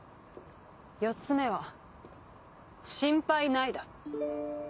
４つ目は「心配ない」だ。